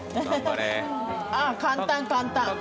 あ、簡単簡単。